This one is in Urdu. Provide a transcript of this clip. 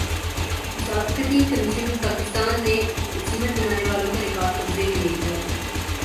مسابقتی کمیشن پاکستان نے سیمنٹ بنانے والوں کا ریکارڈ قبضے میں لے لیا